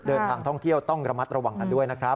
เดินทางท่องเที่ยวต้องระมัดระวังกันด้วยนะครับ